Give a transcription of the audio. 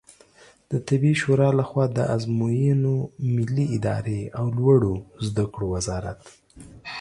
د طبي شورا له خوا د آزموینو ملي ادارې او لوړو زده کړو وزارت